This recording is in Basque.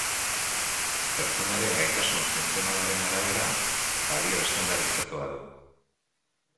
Pertsonaren gaitasun funtzionalaren arabera, balio estandarizatua du.